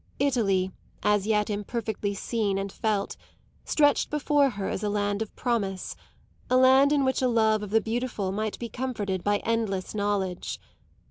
Italy, as yet imperfectly seen and felt, stretched before her as a land of promise, a land in which a love of the beautiful might be comforted by endless knowledge.